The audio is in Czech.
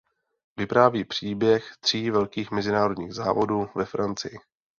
Vypráví příběh tří velkých mezinárodních závodů ve Francii.